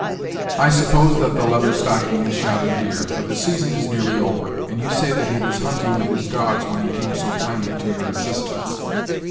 I suppose that the Leather Stocking has shot a deer, for the season is nearly over, and you say that he was hunting with his dogs when he came so timely to your assistance.